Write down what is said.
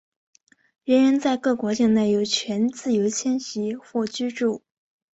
人人在各国境内有权自由迁徙和居住。